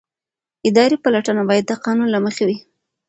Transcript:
اداري پلټنه باید د قانون له مخې وي.